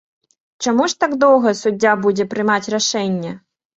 Чаму ж так доўга суддзя будзе прымаць рашэнне?